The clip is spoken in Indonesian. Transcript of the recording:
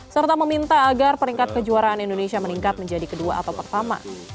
serta meminta agar peringkat kejuaraan indonesia meningkat menjadi kedua atau pertama